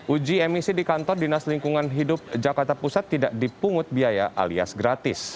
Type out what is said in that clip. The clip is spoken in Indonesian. uji emisi di kantor dinas lingkungan hidup jakarta pusat tidak dipungut biaya alias gratis